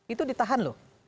itu ditahan loh